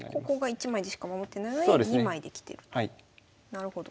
なるほど。